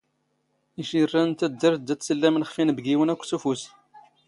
ⵉⵛⵉⵔⵔⴰⵏ ⵏ ⵜⴰⴷⴷⴰⵔⵜ ⴷⴰ ⵜⵜⵙⵍⵍⴰⵎⵏ ⵅⴼ ⵉⵏⴱⴳⴰⵡⵏ ⴰⴽⴽⵯ ⵙ ⵓⴼⵓⵙ.